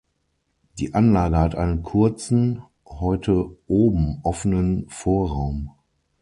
Die Anlage hat einen kurzen, heute oben offenen Vorraum.